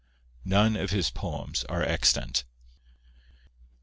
None of his poems are extant.